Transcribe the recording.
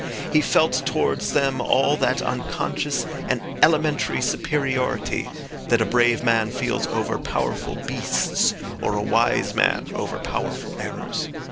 He felt towards them all that unconscious and elementary superiority that a brave man feels over powerful beasts or a wise man over powerful errors.